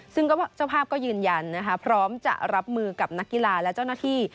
ซึ่งเจ้าภาพก็ยืนยันนะคะพร้อมจะรับมือกับนักกีฬาและเจ้าหน้าที่